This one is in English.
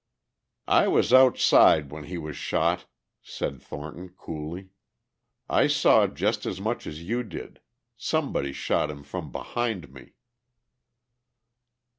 "I was outside when he was shot," said Thornton coolly. "I saw just as much as you did. Somebody shot him from behind me."